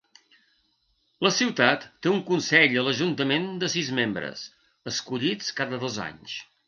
La ciutat té un consell a l'ajuntament de sis membres, escollits cada dos anys.